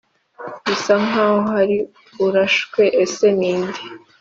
bisa nkaho hari urashwe, ese ninde???